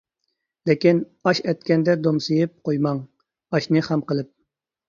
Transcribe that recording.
لېكىن، ئاش ئەتكەندە دومسىيىپ، قويماڭ ئاشنى خام قىلىپ.